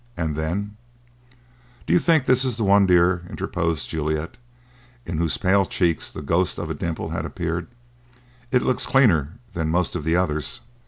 And then " "Do you think this is the one, dear?" interposed Juliet, in whose pale cheek the ghost of a dimple had appeared. "It looks cleaner than most of the others."